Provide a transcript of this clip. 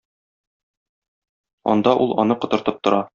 Анда ул аны котыртып тора.